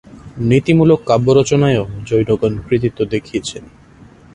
নীতিমূলক কাব্য রচনায়ও জৈনগণ কৃতিত্ব দেখিয়েছেন।